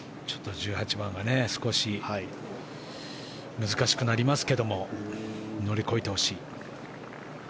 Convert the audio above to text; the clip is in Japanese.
１８番は少し難しくなりますけども乗り越えてほしい。